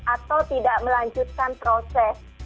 atau tidak melanjutkan proses